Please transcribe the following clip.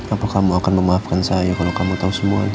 apakah kamu akan memaafkan saya kalau kamu tahu semua